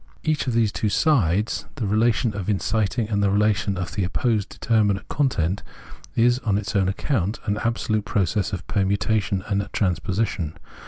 Each of these two sides, the relation of inciting and the relation of the opposed determinate content, is on its own account an absolute process of permutation and transposition.